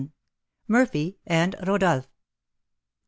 MURPHY AND RODOLPH.